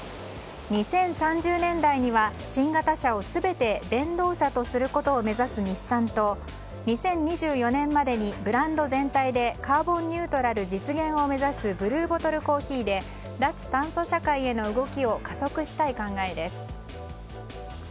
２０３０年代には新型車を全て電動車とすることを目指す日産と２０２４年までにブランド全体でカーボンニュートラル実現を目指すブルーボトルコーヒーで脱炭素社会への動きを加速したい考えです。